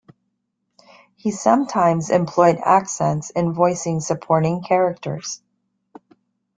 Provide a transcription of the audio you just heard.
He sometimes employed accents in voicing supporting characters.